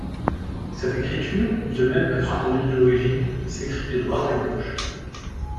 Cette écriture, de même que son modèle d'origine, s'écrit de droite à gauche.